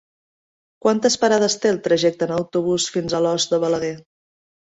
Quantes parades té el trajecte en autobús fins a Alòs de Balaguer?